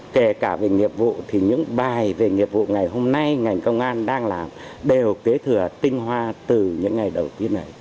kể cả về nghiệp vụ thì những bài về nghiệp vụ ngày hôm nay ngành công an đang làm đều kế thừa tinh hoa từ những ngày đầu tiên này